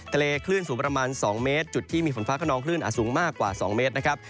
คลื่นสูงประมาณ๒เมตรจุดที่มีฝนฟ้าขนองคลื่นอาจสูงมากกว่า๒เมตรนะครับ